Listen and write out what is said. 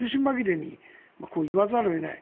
苦し紛れに言わざるを得ない。